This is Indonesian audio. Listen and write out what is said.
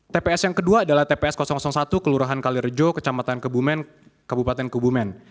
tps yang kedua adalah tps satu kelurahan kalirejo kecamatan kebumen